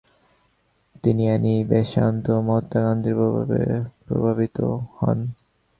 তিনি Annie Besant ও মহাত্মা গান্ধীর প্রভাবে প্রভাবান্বিত হন।